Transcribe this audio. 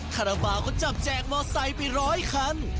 คาราบาลก็จับแจกมอไซค์ไปร้อยคัน